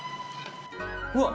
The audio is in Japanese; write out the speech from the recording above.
うわっ